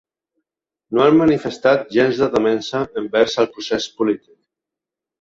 No han manifestat gens de temença envers el procés polític.